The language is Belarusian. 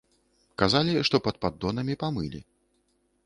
Казалі, што і пад паддонамі памылі.